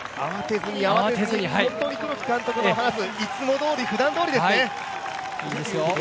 慌てずに、本当に黒木監督の話すいつもどおり、ふだんどおりですね。